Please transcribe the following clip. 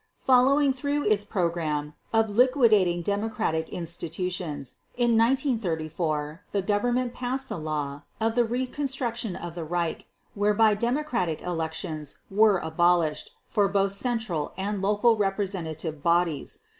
Following through its program of liquidating democratic institutions, in 1934 the Government passed a law of the "Reconstruction of the Reich" whereby democratic elections were abolished for both central and local representative bodies.